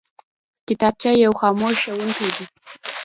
کتابچه یو خاموش ښوونکی دی